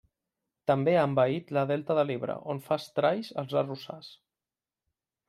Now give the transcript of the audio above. També ha envaït la delta de l'Ebre, on fa estralls als arrossars.